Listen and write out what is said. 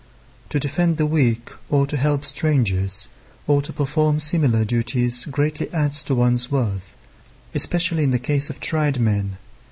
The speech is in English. To defend the weak, or to help strangers, or to perform similar duties, greatly adds to one's worth, especially in the case of tried men.